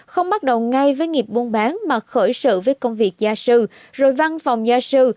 không bắt đầu ngay với nghiệp buôn bán mà khởi sự với công việc gia sư rồi văn phòng gia sư